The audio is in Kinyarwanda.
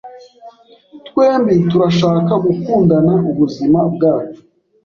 Twembi turashaka gukundana ubuzima bwacu